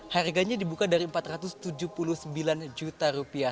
harganya dibuka dari empat ratus tujuh puluh sembilan juta rupiah